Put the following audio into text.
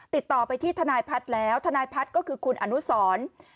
ติดต่อไปที่ทนายพัฒน์แล้วทนายพัฒน์ก็คือคุณอนุสร